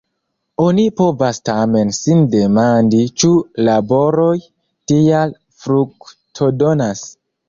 Oni povas tamen sin demandi, ĉu laboroj tiaj fruktodonas.